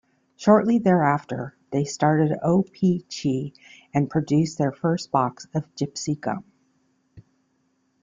Shortly thereafter, they started O-Pee-Chee and produced their first box of Gipsy gum.